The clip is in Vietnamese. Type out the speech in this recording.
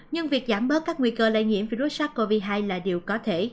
nhưng việc giảm bớt các nguy cơ lây nhiễm virus sars cov hai là điều có thể